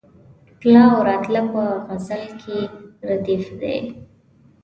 تله او راتله په غزل کې ردیف دی.